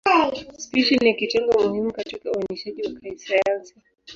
Spishi ni kitengo muhimu katika uainishaji wa kisayansi.